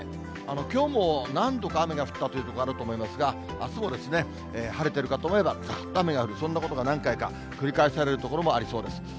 きょうも何度か雨が降ったという所もあると思いますが、あすも晴れてるかと思ったら、ざーっと雨が降る、そんなことも何回か繰り返される所もありそうです。